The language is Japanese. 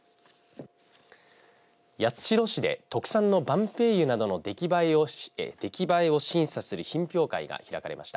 八代市で特産のばんぺいゆなどの出来栄えを審査する品評会が開かれました。